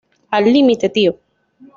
Al límite tío